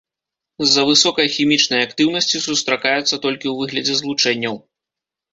З-за высокай хімічнай актыўнасці сустракаецца толькі ў выглядзе злучэнняў.